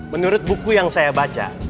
menurut buku yang saya baca